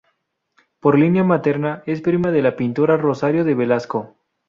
Por línea materna es prima de la pintora Rosario de Velasco.